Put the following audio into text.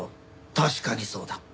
確かにそうだ。